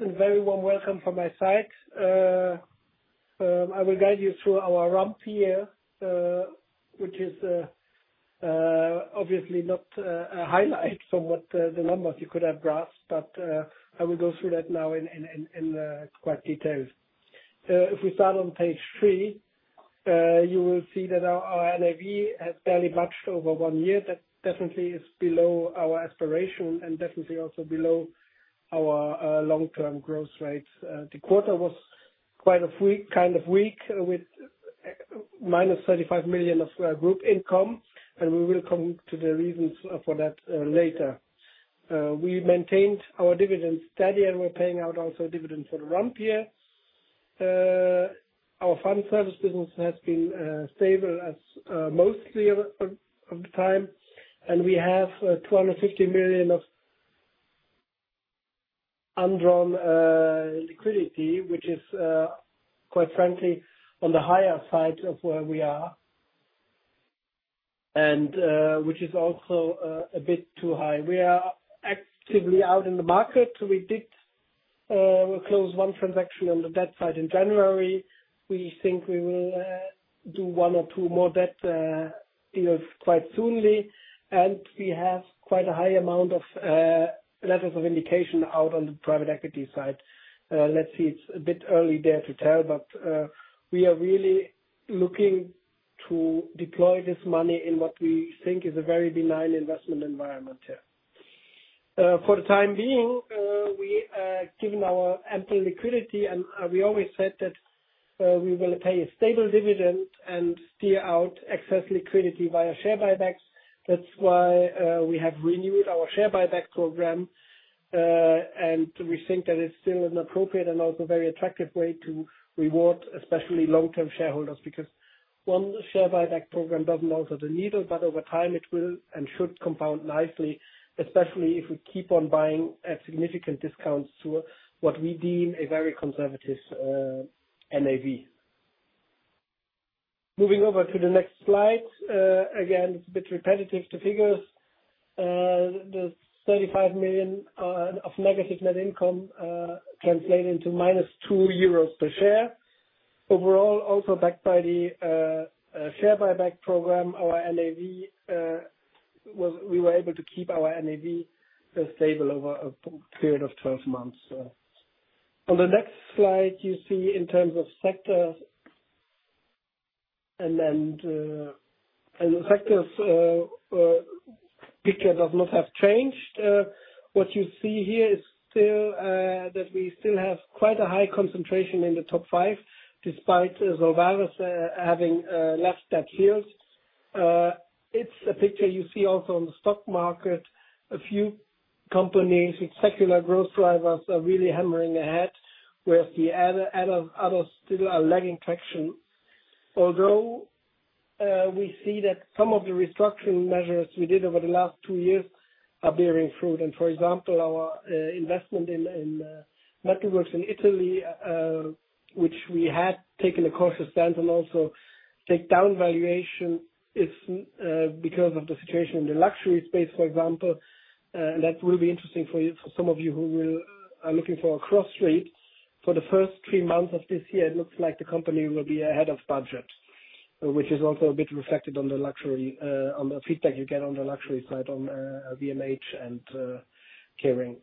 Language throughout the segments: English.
Thanks, very warm welcome from my side. I will guide you through our ramp year, which is obviously not a highlight from what the numbers you could have grasped, but I will go through that now in quite details. If we start on page three, you will see that our NAV has barely budged over one year. That definitely is below our aspiration and definitely also below our long-term growth rates. The quarter was quite kind of weak with -35 million of group income, and we will come to the reasons for that later. We maintained our dividend steady, and we're paying out also dividend for the ramp year. Our fund services has been stable as mostly of the time, and we have 250 million of undrawn liquidity, which is quite frankly, on the higher side of where we are and which is also a bit too high. We are actively out in the market. We did close one transaction on the debt side in January. We think we will do one or two more debt deals quite soonly. We have quite a high amount of letters of indication out on the private equity side. Let's see. It's a bit early there to tell, but we are really looking to deploy this money in what we think is a very benign investment environment here. For the time being, we, given our ample liquidity and, we always said that, we will pay a stable dividend and steer out excess liquidity via share buybacks. That's why, we have renewed our share buyback program. And we think that it's still an appropriate and also very attractive way to reward, especially long-term shareholders. Because one share buyback program doesn't alter the needle, but over time it will and should compound nicely, especially if we keep on buying at significant discounts to what we deem a very conservative NAV. Moving over to the next slide. Again, it's a bit repetitive to figures. The 35 million of negative net income translate into minus 2 euros per share. Overall, also backed by the share buyback program, our NAV, we were able to keep our NAV stable over a period of 12 months. On the next slide, you see in terms of sectors and the sectors picture does not have changed. What you see here is still that we still have quite a high concentration in the top five, despite Solvares having left that field. It's a picture you see also on the stock market. A few companies with secular growth drivers are really hammering ahead, whereas the other others still are lagging traction. Although, we see that some of the restructuring measures we did over the last two years are bearing fruit. For example, our investment in Metalworks in Italy, which we had taken a cautious stand and also take down valuation is because of the situation in the luxury space, for example. That will be interesting for some of you who are looking for a cross-read. For the first three months of this year, it looks like the company will be ahead of budget, which is also a bit reflected on the luxury, on the feedback you get on the luxury side on LVMH and Kering.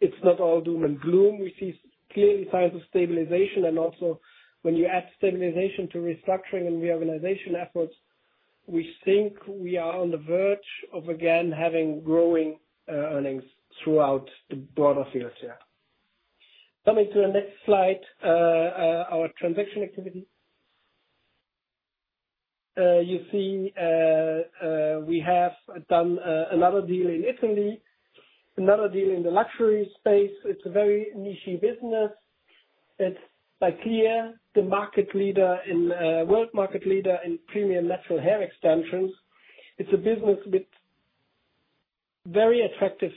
It's not all doom and gloom. We see clearly signs of stabilization and also when you add stabilization to restructuring and reorganization efforts, we think we are on the verge of again having growing earnings throughout the broader fields here. Coming to the next slide, our transaction activity. You see, we have done another deal in Italy, another deal in the luxury space. It's a very niche-y business. It's like here, the market leader in world market leader in premium natural hair extensions. It's a business with very attractive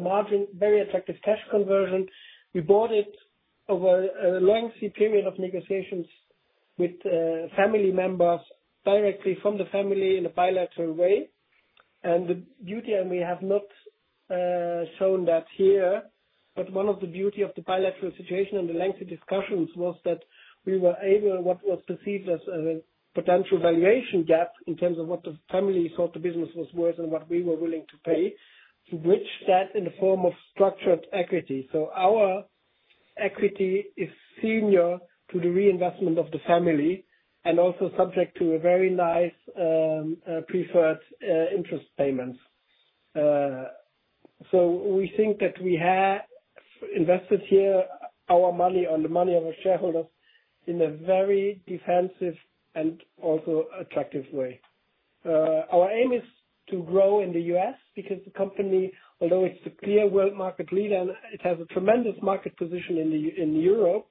margin, very attractive cash conversion. We bought it over a lengthy period of negotiations with family members directly from the family in a bilateral way. The beauty, and we have not shown that here, but one of the beauty of the bilateral situation and the lengthy discussions was that we were able, what was perceived as a potential valuation gap in terms of what the family thought the business was worth and what we were willing to pay, to bridge that in the form of structured equity. Our equity is senior to the reinvestment of the family and also subject to a very nice preferred interest payments. We think that we have invested here our money and the money of our shareholders in a very defensive and also attractive way. Our aim is to grow in the U.S. because the company, although it's a clear world market leader and it has a tremendous market position in Europe,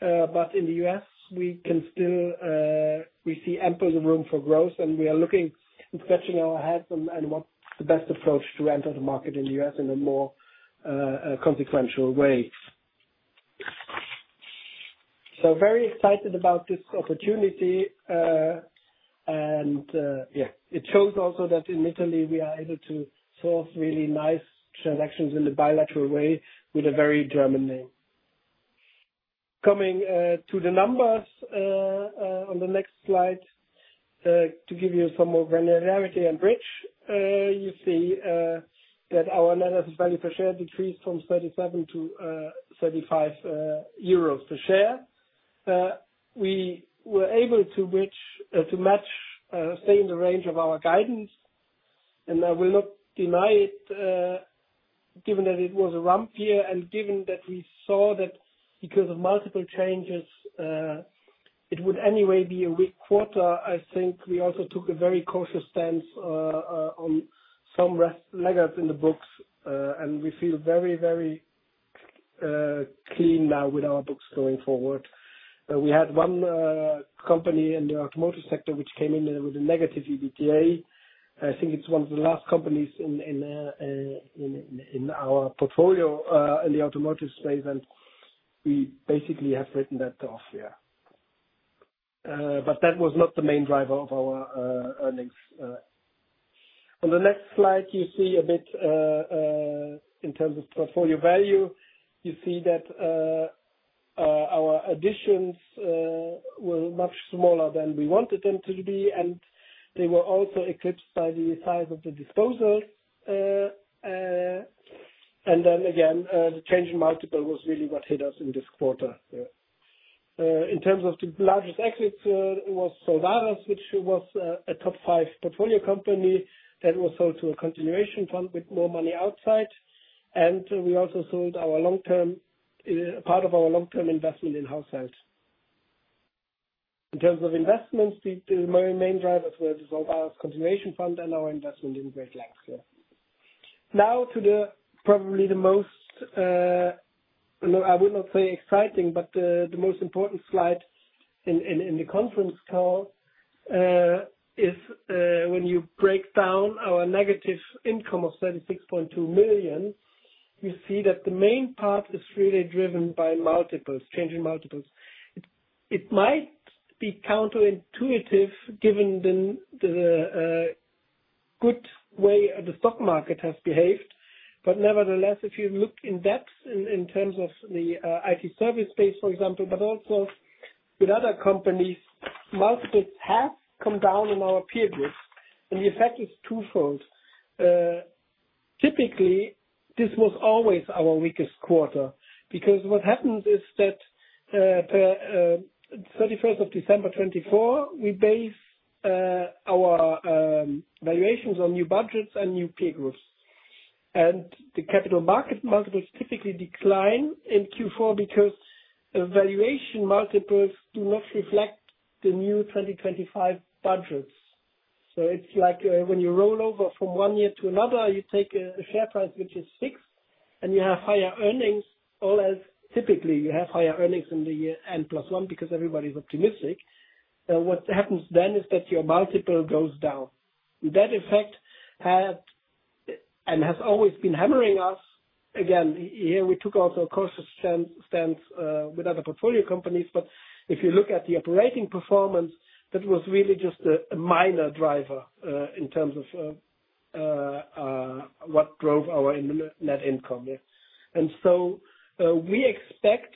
but in the U.S., we can still, we see ample room for growth, and we are looking and stretching our heads on and what the best approach to enter the market in the U.S. in a more consequential way. Very excited about this opportunity. It shows also that in Italy we are able to source really nice transactions in the bilateral way with a very German name. Coming to the numbers on the next slide, to give you some more granularity on bridge. You see that our net asset value per share decreased from 37-35 euros per share. We were able to match, say, in the range of our guidance, and I will not deny it, given that it was a ramp year and given that we saw that because of multiple changes, it would anyway be a weak quarter. I think we also took a very cautious stance on some laggards in the books. We feel very clean now with our books going forward. We had one company in the automotive sector which came in with a negative EBITDA. I think it's one of the last companies in our portfolio in the automotive space, and we basically have written that off. That was not the main driver of our earnings. On the next slide, you see a bit in terms of portfolio value. You see that our additions were much smaller than we wanted them to be, and they were also eclipsed by the size of the disposals. Then again, the change in multiple was really what hit us in this quarter. In terms of the largest exits, was Solvares, which was a top five portfolio company that was sold to a continuation fund with more money outside. We also sold our long-term part of our long-term investment in Hausheld. In terms of investments, the main drivers were Solvares continuation fund and our investment in Great Lengths. Now to the probably the most, no, I would not say exciting, but the most important slide in the conference call is when you break down our negative income of 36.2 million, you see that the main part is really driven by multiples, change in multiples. It might be counterintuitive given the good way the stock market has behaved. Nevertheless, if you look in depth in terms of the IT service space, for example, also with other companies, multiples have come down in our peer groups, and the effect is twofold. Typically, this was always our weakest quarter because what happens is that, per 31st of December 2024, we base our valuations on new budgets and new peer groups. The capital market multiples typically decline in Q4 because valuation multiples do not reflect the new 2025 budgets. It's like, when you roll over from one year to another, you take a share price, which is EUR 6, and you have higher earnings, or as typically you have higher earnings in the year N+1 because everybody's optimistic. What happens then is that your multiple goes down. That effect had and has always been hammering us. Again, here we took also a cautious stance with other portfolio companies. If you look at the operating performance, that was really just a minor driver in terms of what drove our net income. Yeah. We expect,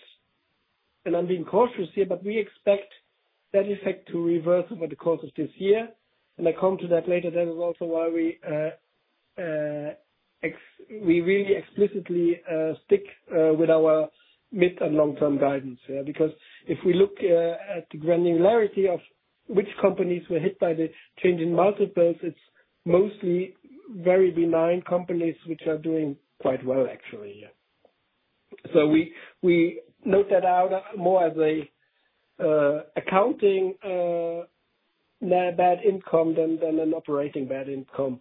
and I'm being cautious here, but we expect that effect to reverse over the course of this year. I come to that later. That is also why we really explicitly stick with our mid and long-term guidance. Because if we look at the granularity of which companies were hit by the change in multiples, it's mostly very benign companies which are doing quite well, actually. Yeah. We note that out more as an accounting bad income than an operating bad income.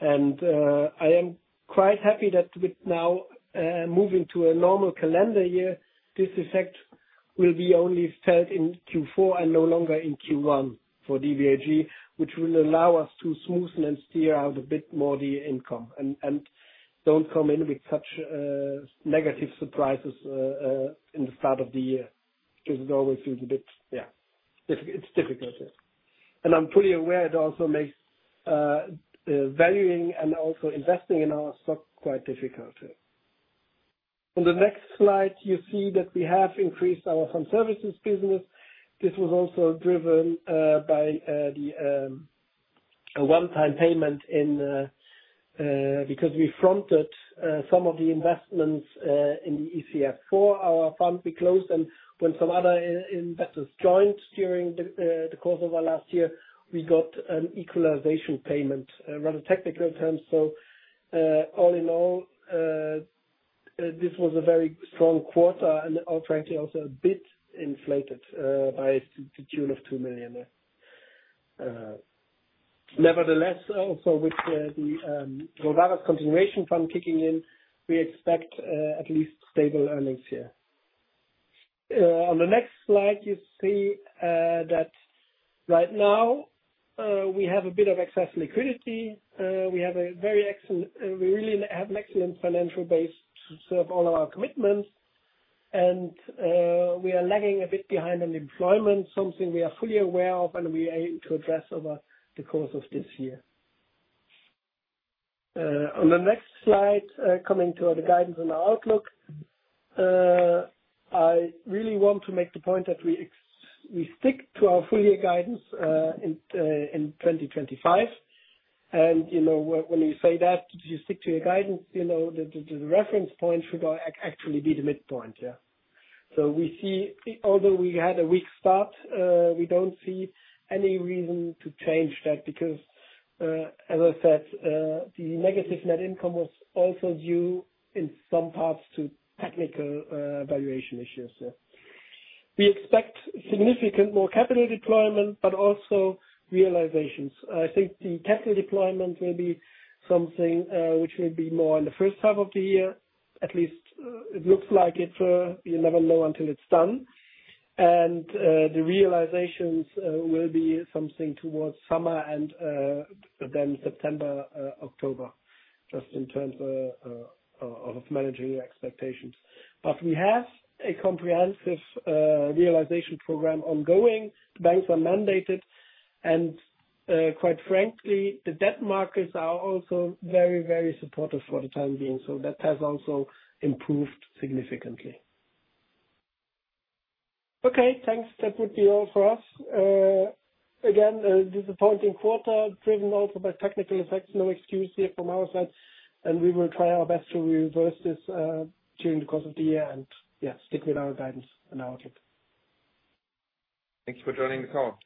I am quite happy that with now moving to a normal calendar year, this effect will be only felt in Q4 and no longer in Q1 for DBAG, which will allow us to smoothen and steer out a bit more the income and don't come in with such negative surprises in the start of the year. It always is a bit difficult. I'm fully aware it also makes valuing and also investing in our stock quite difficult. On the next slide, you see that we have increased our fund services business. This was also driven by the a one-time payment in because we fronted some of the investments in the ECF IV, our fund we closed. When some other investors joined during the course of our last year, we got an equalization payment. Rather technical terms. All in all, this was a very strong quarter and unfortunately also a bit inflated by the tune of 2 million. Nevertheless, also with the Solvares Continuation Fund kicking in, we expect at least stable earnings here. On the next slide, you see that Right now, we have a bit of excess liquidity. We really have an excellent financial base to serve all of our commitments. We are lagging a bit behind on employment, something we are fully aware of, and we aim to address over the course of this year. On the next slide, coming to the guidance and our outlook. I really want to make the point that we stick to our full year guidance in 2025. You know, when you say that, you stick to your guidance, you know, the reference point should actually be the midpoint, yeah. We see-- although we had a weak start, we don't see any reason to change that because, as I said, the negative net income was also due in some parts to technical valuation issues, yeah. We expect significant more capital deployment, but also realizations. I think the capital deployment will be something which will be more in the 1st half of the year. At least it looks like it, you never know until it is done. The realizations will be something towards summer and then September, October, just in terms of managing the expectations. We have a comprehensive realization program ongoing. The banks are mandated, and quite frankly, the debt markets are also very, very supportive for the time being, so that has also improved significantly. Okay, thanks. That would be all for us. Again, a disappointing quarter, driven also by technical effects. No excuse here from our side, and we will try our best to reverse this during the course of the year and, yeah, stick with our guidance and our check. Thank you for joining the call.